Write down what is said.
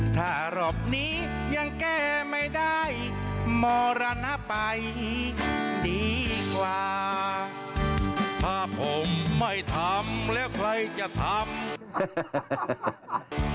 ถ้ารอบนี้ยังแก้ไม่ได้มรณไปดีกว่าถ้าผมไม่ทำแล้วใครจะทำ